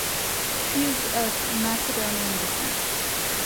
She is of Macedonian descent.